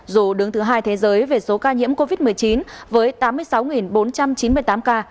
dù đứng thứ hai thế giới về số ca nhiễm covid một mươi chín với tám mươi sáu bốn trăm chín mươi tám ca